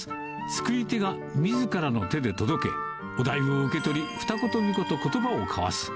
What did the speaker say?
作り手がみずからの手で届け、お代を受け取り、二言、三言、ことばを交わす。